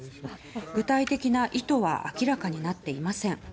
具体的な意図は明らかになっていません。